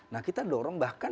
nah kita dorong bahkan